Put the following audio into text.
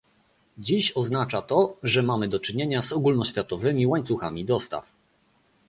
Dziś oznacza to, że mamy do czynienia z ogólnoświatowymi łańcuchami dostaw